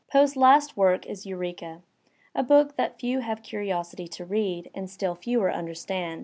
Poe's last work is "Eureka," a book that few have curiosity to read, and still fewer understand.